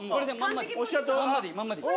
まんまでいいまんまでいい。